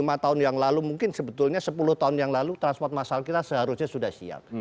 lima tahun yang lalu mungkin sebetulnya sepuluh tahun yang lalu transport masal kita seharusnya sudah siap